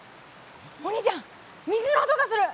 お兄ちゃん水の音がする。